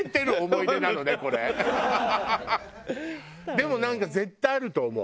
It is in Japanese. でもなんか絶対あると思う。